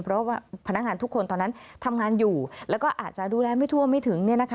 เพราะว่าพนักงานทุกคนตอนนั้นทำงานอยู่แล้วก็อาจจะดูแลไม่ทั่วไม่ถึง